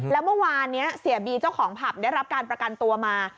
แล้วเมื่อวานนี้เสียบีเจ้าของผับได้รับการประกันตัวมา